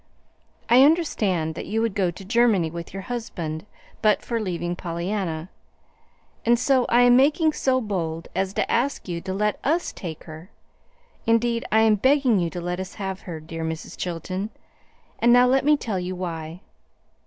"I understand that you would go to Germany with your husband but for leaving Pollyanna; and so I am making so bold as to ask you to let us take her. Indeed, I am begging you to let us have her, dear Mrs. Chilton. And now let me tell you why.